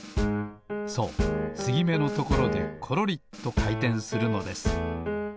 そうつぎめのところでころりとかいてんするのです。